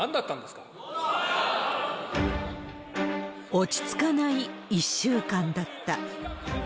落ち着かない１週間だった。